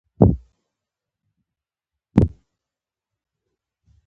دې سیمه کې د لیکوال په وینا د غربت نښې نښانې له ورایه ښکاري